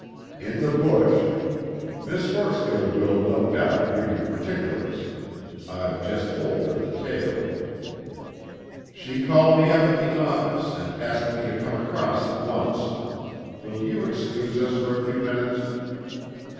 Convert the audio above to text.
"In the bush. Miss Horsfield will, no doubt, give you particulars; I've just told her the tale." "She called me up at the office and asked me to come across at once. Will you excuse us for a few minutes?"